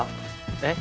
えっ？